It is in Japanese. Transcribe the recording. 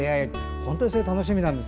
本当にそれが楽しみなんです。